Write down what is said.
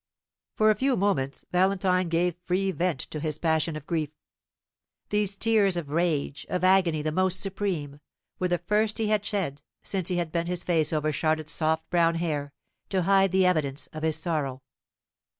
For a few moments Valentine gave free vent to his passion of grief. These tears of rage, of agony the most supreme, were the first he had shed since he had bent his face over Charlotte's soft brown hair, to hide the evidence of his sorrow.